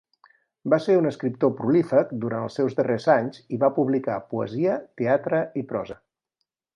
Va ser un escriptor prolífic durant els seus darrers anys i va publicar poesia, teatre i prosa.